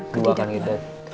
dua kan itu